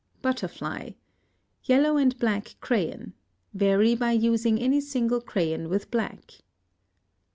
Butterfly. Yellow and black crayon. Vary by using any single crayon with black.